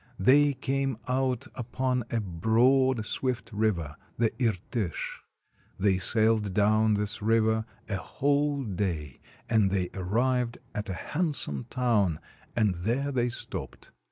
They came out upon a broad, swift river, the Irtish. They sailed down this river a whole day; and they arrived at a handsome town, and there they stopped.